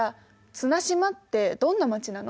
綱島ってどんな街なの？